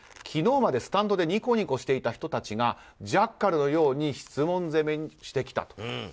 昨日までスタンドでにこにこしていた人たちがジャッカルのように質問攻めしてきた。